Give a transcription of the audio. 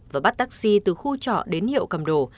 và bắt taxi từ khu trọ đến hiệu cầm đồ